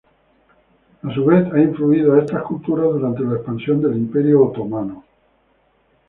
A su vez, ha influido a estas culturas durante la expansión del Imperio otomano.